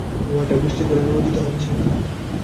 গুহাটা বৃষ্টির জলে নিমজ্জিত হচ্ছে।